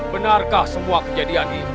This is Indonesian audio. benarkah semua kejadian ini